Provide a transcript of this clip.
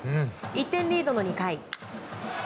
１点リードの２回。